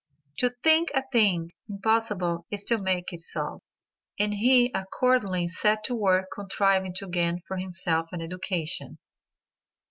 "To think a thing impossible is to make it so," and he accordingly set to work contriving to gain for himself an education.